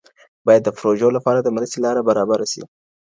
باید د پروژو لپاره د مرستې لاره برابره سي.